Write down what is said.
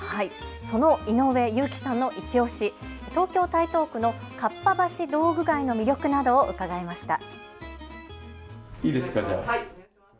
その井上祐貴さんのいちオシ、東京台東区のかっぱ橋道具街の魅力などを伺いました。